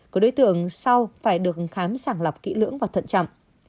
của đối tượng sau phải được khám sẵn lọc kỹ lưỡng và thận chậm